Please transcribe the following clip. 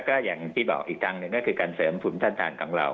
ก็อย่างที่บอกอีกทางหนึ่งก็คือการเสริมทุนท่านทางของเรา